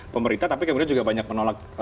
pemerintah tapi kemudian juga banyak menolak